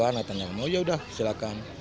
anak anak tanya yaudah silakan